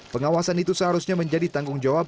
pengawasan itu seharusnya menjadi tanggung jawab